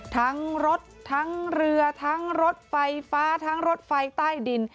ทั้งรถทั้งเรือทั้งรถไฟฟ้าทั้งรถไฟใต้ดิน